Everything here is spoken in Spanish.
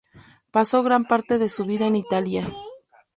Pasó gran parte de su vida en Italia.